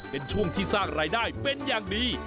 เป็นช่วงที่สร้างรายได้เป็นอย่างดี